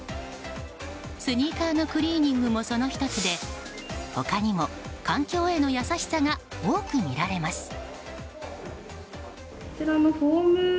スニーカーのクリーニングもその１つで他にも、環境への優しさが多く見られます。